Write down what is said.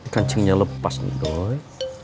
kancingnya lepas nih doi